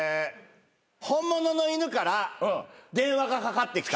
本物の犬から電話がかかってきた。